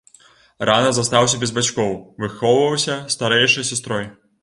Рана застаўся без бацькоў, выхоўваўся старэйшай сястрой.